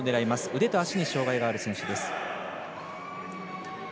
腕と足に障がいのある選手。